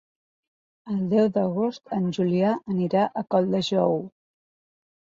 El deu d'agost en Julià irà a Colldejou.